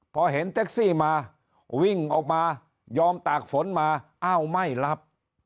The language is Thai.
พอเห็นแท็กซี่มาวิ่งออกมายอมตากฝนมาอ้าวไม่รับ